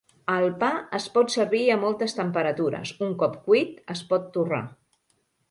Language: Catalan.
El pa es pot servir a moltes temperatures; un cop cuit, es pot torrar.